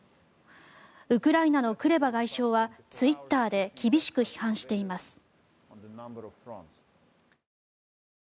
ウクライナのクレバ外相はツイッターで厳しく批判しています。